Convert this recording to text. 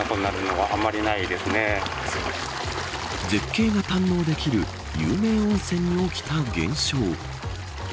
絶景が堪能できる有名温泉に起きた現象。